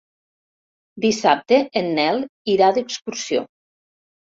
Dissabte en Nel irà d'excursió.